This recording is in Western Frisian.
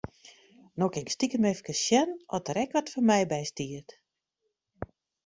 No kin ik stikem efkes sjen oft der ek wat foar my by stiet.